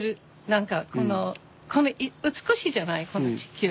何かこの美しいじゃないこの地球。